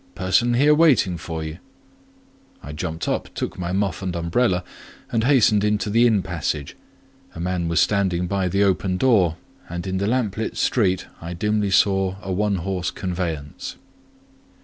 "Person here waiting for you." I jumped up, took my muff and umbrella, and hastened into the inn passage: a man was standing by the open door, and in the lamp lit street I dimly saw a one horse conveyance.